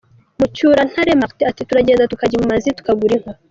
Mucyurantare Martin ati “Turagenda tukajya i Bumazi tukagura inka.